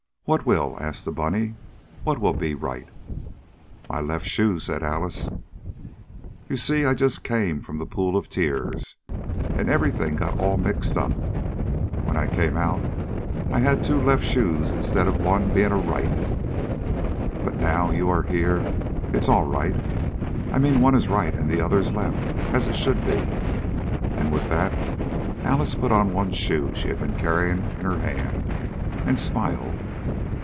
"What will?" asked the bunny. "What will be right?" "My left shoe," said Alice. "You see I just came from the Pool of Tears, and everything got all mixed up. When I came out I had two left shoes instead of one being a right, but now you are here it's all right I mean one is right and the other is left, as it should be," and with that Alice put on one shoe she had been carrying in her hand, and smiled.